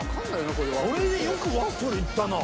これでよくワッフルいったな。